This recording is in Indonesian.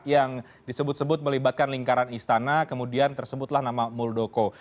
yang disebut sebut melibatkan lingkaran istana kemudian tersebutlah nama muldoko